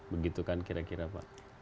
begitu kan kira kira pak